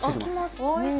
おいしい。